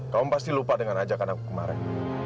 kamu pasti lupa dengan ajakan aku kemarin